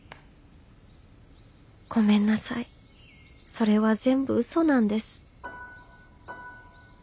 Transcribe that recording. ごめんなさいそれは全部ウソなんです